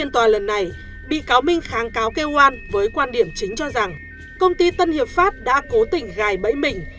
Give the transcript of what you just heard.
trang cáo kêu oan với quan điểm chính cho rằng công ty tân hiệp pháp đã cố tình gài bẫy mình